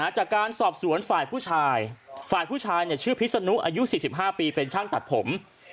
จากการสอบสวนฝ่ายผู้ชายฝ่ายผู้ชายชื่อพิษนุอายุ๔๕ปีเป็นช่างตัดผม